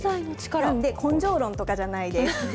根性論とかじゃないです。